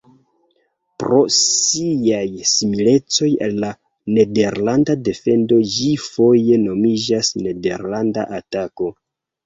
Pro siaj similecoj al la nederlanda defendo ĝi foje nomiĝas nederlanda atako.